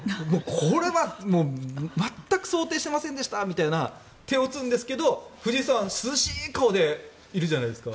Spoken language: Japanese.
これは全く想定してませんでしたみたいな手を打つんですけど藤井さん涼しい顔でいるじゃないですか。